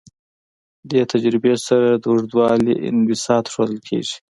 دې تجربې سره د اوږدوالي انبساط ښودل کیږي.